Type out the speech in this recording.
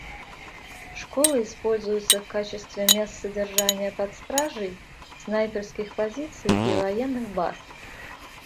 Школы используются в качестве мест содержания под стражей, снайперских позиций и военных баз.